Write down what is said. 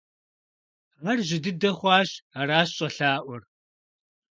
Ар жьы дыдэ хъуащи, аращ щӀэлъаӀуэр.